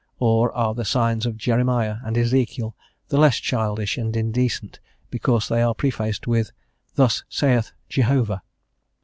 or are the signs of Jeremiah and Ezekiel the less childish and indecent because they are prefaced with, "thus saith Jehovah?"